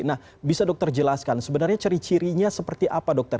nah bisa dokter jelaskan sebenarnya ciri cirinya seperti apa dokter